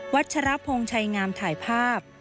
ชรพงศ์ชัยงามถ่ายภาพ